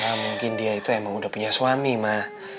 ya mungkin dia itu emang udah punya suami mah